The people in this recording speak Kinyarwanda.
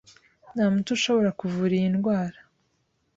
Nta muti ushobora kuvura iyi ndwara.